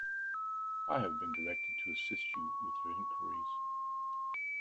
I have been directed to assist you with your enquiries.